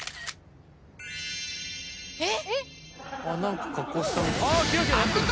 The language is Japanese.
えっ！？